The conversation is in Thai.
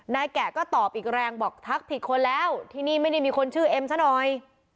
แกะก็ตอบอีกแรงบอกทักผิดคนแล้วที่นี่ไม่ได้มีคนชื่อเอ็มซะหน่อย